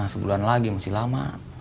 sebulan lagi masih lama